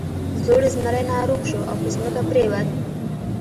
زوړ زمری ناروغ شو او په ځمکه پریوت.